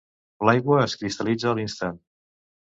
L'aigua es cristal·litza a l'instant.